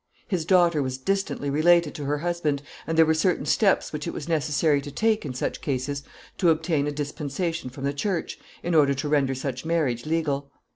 His daughter was distantly related to her husband, and there were certain steps which it was necessary to take in such cases to obtain a dispensation from the Church, in order to render such marriage legal.